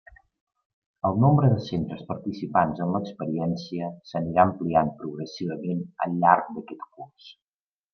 El nombre de centres participants en l'experiència s'anirà ampliant progressivament al llarg d'aquest curs.